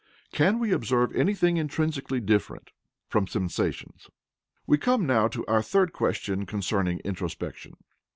(3) CAN WE OBSERVE ANYTHING INTRINSICALLY DIFFERENT FROM SENSATIONS? We come now to our third question concerning introspection.